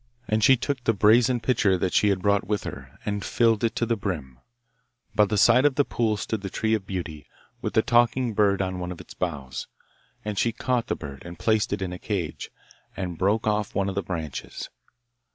And she took the brazen pitcher that she had brought with her, and filled it to the brim. By the side of the pool stood the tree of beauty, with the talking bird on one of its boughs; and she caught the bird, and placed it in a cage, and broke off one of the branches.